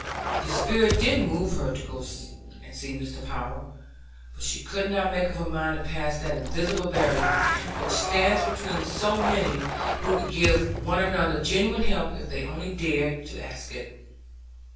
The spirit did move her to go and see Mr. Power, but she could not make up her mind to pass that invisible barrier which stands between so many who could give one another genuine help if they only dared to ask it.